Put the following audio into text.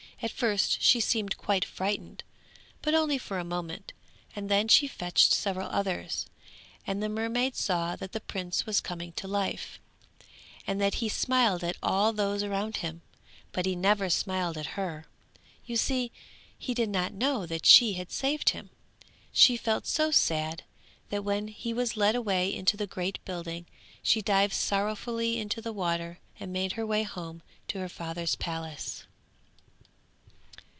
At first she seemed quite frightened, but only for a moment, and then she fetched several others, and the mermaid saw that the prince was coming to life, and that he smiled at all those around him, but he never smiled at her. You see he did not know that she had saved him. She felt so sad that when he was led away into the great building she dived sorrowfully into the water and made her way home to her father's palace.